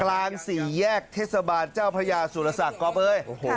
กลางสี่แยกเทศบาลเจ้าพระยาสุรศักดิ์กอบเอ้ย